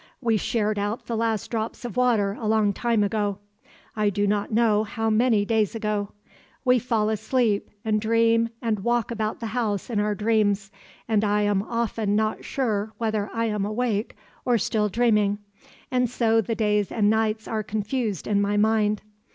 We shared out the last drops of water a long time ago. I do not know how many days ago. We fall asleep and dream and walk about the house in our dreams, and I am often not sure whether I am awake or still dreaming, and so the days and nights are confused in my mind.